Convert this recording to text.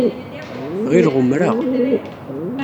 Ɣileɣ umereɣ.